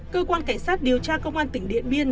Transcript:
cơ quan cảnh sát điều tra công an tỉnh điện biên